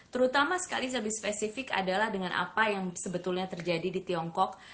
terutama sekali lebih spesifik adalah dengan apa yang sebetulnya terjadi di tiongkok